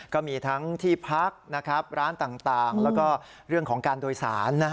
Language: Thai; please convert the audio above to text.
ก็มีทั้งที่พักร้านต่างแล้วก็เรื่องของการโดยสาร